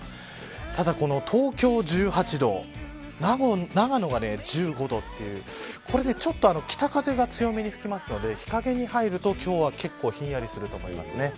ただ、東京１８度長野が１５度北風が強めに吹きますので日陰に入ると今日は、結構ひんやりすると思います。